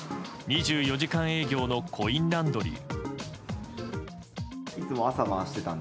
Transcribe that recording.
２４時間営業のコインランドリー。